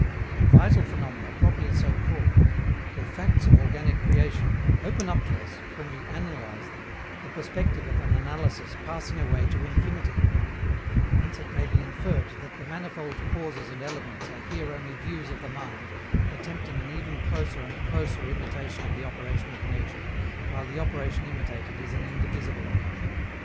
But vital phenomena, properly so called, or facts of organic creation open up to us, when we analyze them, the perspective of an analysis passing away to infinity: whence it may be inferred that the manifold causes and elements are here only views of the mind, attempting an ever closer and closer imitation of the operation of nature, while the operation imitated is an indivisible act.